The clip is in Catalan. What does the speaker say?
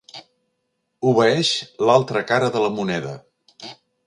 Obeeix l'altra cara de la moneda.